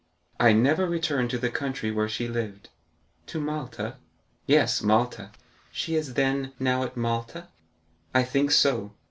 "I never returned to the country where she lived." "To Malta?" "Yes; Malta." "She is, then, now at Malta?" "I think so."